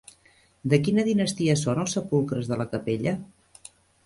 De quina dinastia són els sepulcres de la capella?